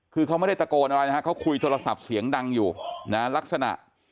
คือเขาไม่ได้ตะโกนอะไรนะฮะเขาคุยโทรศัพท์เสียงดังอยู่นะลักษณะ